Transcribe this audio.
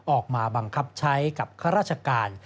ออกมาบังคับใช้กับข้าราชการ